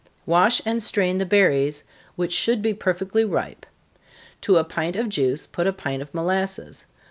_ Wash and strain the berries, which should be perfectly ripe. To a pint of juice, put a pint of molasses.